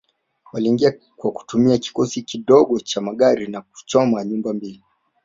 Waliingia kwa kutumia kikosi kidogo cha magari na kuchoma nyumba mbili